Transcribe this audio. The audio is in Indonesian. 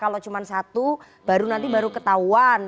kalau cuma satu baru nanti baru ketahuan